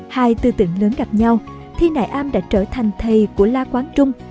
hai tư tưởng lớn gặp nhau thi nại am đã trở thành thầy của la quán trung